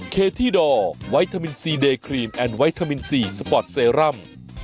เคที่ดอร์ไวทามินซีเดย์ครีมแอนดไวทามินซีสปอร์ตเซรั่ม